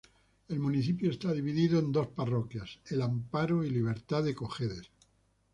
El municipio está dividido en dos parroquias, El Amparo y Libertad de Cojedes.